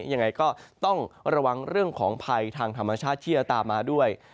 ยังไงก็ต้องระวังเรื่องของภัยทางธรรมชาติที่จะตามมาด้วย